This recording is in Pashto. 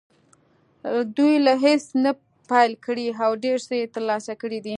دوی له هېڅ نه پیل کړی او ډېر څه یې ترلاسه کړي دي